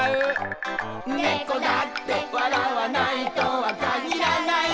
「猫だって笑わないとは限らない」